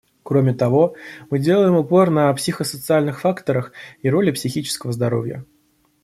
Кроме того, мы делаем упор на психосоциальных факторах и роли психического здоровья.